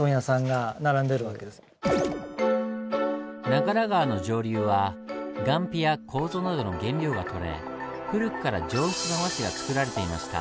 長良川の上流はガンピやコウゾなどの原料がとれ古くから上質な和紙が作られていました。